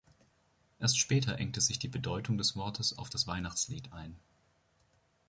Erst später engte sich die Bedeutung des Wortes auf das Weihnachtslied ein.